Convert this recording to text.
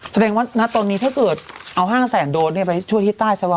แสดงว่าณตรงนี้ถ้าเกิดเอาห้างแสนโดดไปช่วยที่ใต้ใช่ไหม